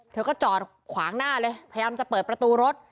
เธอก็จอดขวางหน้าเลยพยายามจะเปิดประตูรถ